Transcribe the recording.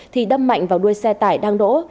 thì đâm mạnh vào đuôi xe tải đang đỗ